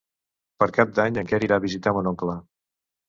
Per Cap d'Any en Quer irà a visitar mon oncle.